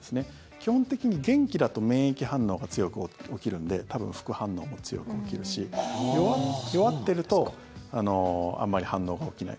基本的に、元気だと免疫反応が強く起きるんで多分、副反応も強く起きるし弱ってるとあまり反応が起きない。